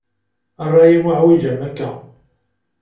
A rray-im uɛwiǧ am akka.